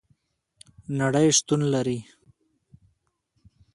نړۍ شتون لري